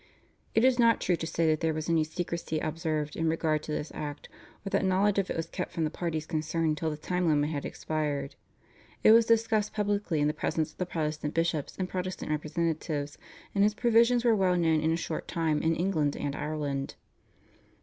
It is not true to say that there was any secrecy observed in regard to this act, or that knowledge of it was kept from the parties concerned till the time limit had expired. It was discussed publicly in the presence of the Protestant bishops and Protestant representatives, and its provisions were well known in a short time in England and Ireland.